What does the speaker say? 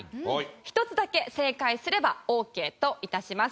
１つだけ正解すればオーケーと致します。